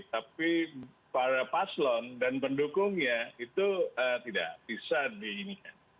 tapi para paslon dan pendukungnya itu tidak bisa diinikan